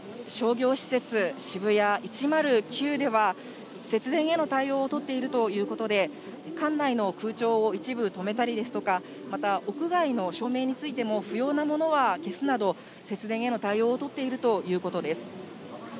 商業施設、シブヤ１０９では、節電への対応を取っているということで、館内の空調を一部止めたりですとか、また屋外の照明についても、不要なものは消すなど、節電への対応を取っているということです。